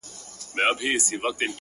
خو ستا د وصل په ارمان باندي تيريږي ژوند”